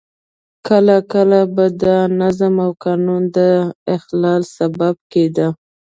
کله کله به د نظم او قانون د اخلال سبب کېده.